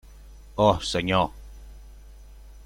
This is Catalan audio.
Oh, Senyor!